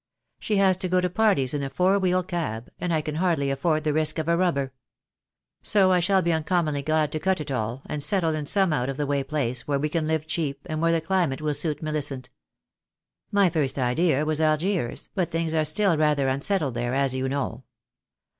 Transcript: She has to go to parties in a four wheel cab, and I can hardly afford the risk of a rubber. So I shall be uncom monly glad to cut it all, and settle in some out of the way place where we can live cheap, and where the climate will suit Millicent. "My first idea was Algiers, but things are still rather unsettled there, as you know.